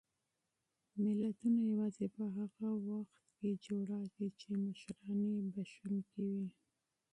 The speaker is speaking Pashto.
ملتونه یوازې په هغه صورت کې جوړېږي چې مشران یې بښونکي وي.